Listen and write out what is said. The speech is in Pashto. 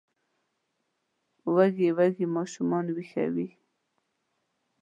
وږي وږي ماشومان ویښوي